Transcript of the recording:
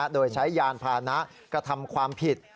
โดยใช้ยานพานะกระทำความผิด